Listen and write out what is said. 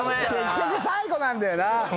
結局最後なんだよな。